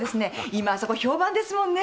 今あそこ評判ですもんね。